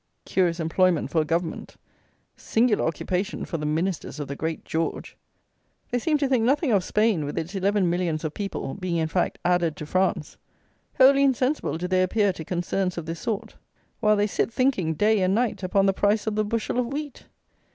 Curious employment for a Government! Singular occupation for the Ministers of the Great George! They seem to think nothing of Spain, with its eleven millions of people, being in fact added to France. Wholly insensible do they appear to concerns of this sort, while they sit thinking, day and night, upon the price of the bushel of wheat!